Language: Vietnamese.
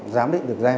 giám định được ghen